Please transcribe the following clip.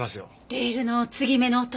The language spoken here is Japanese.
レールの継ぎ目の音？